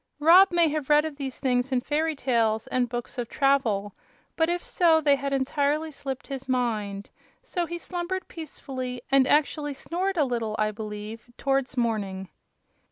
Rob may have read of these things in fairy tales and books of travel, but if so they had entirely slipped his mind; so he slumbered peacefully and actually snored a little, I believe, towards morning.